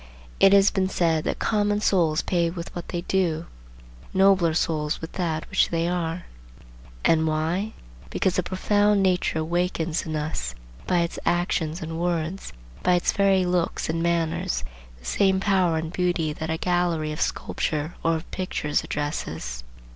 It has been said that "common souls pay with what they do, nobler souls with that which they are." And why? Because a profound nature awakens in us by its actions and words, by its very looks and manners, the same power and beauty that a gallery of sculpture or of pictures addresses.